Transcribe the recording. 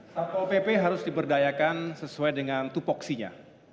satpol pp harus diberdayakan sesuai dengan tupoksinya